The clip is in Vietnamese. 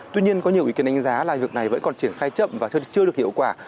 tuy nhiên có nhiều ý kiến đánh giá là việc này vẫn còn triển khai chậm và chưa được hiệu quả